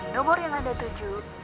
nomor yang ada tujuh